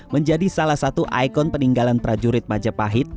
menjadi salah satu ikon peninggalan prajurit majapahit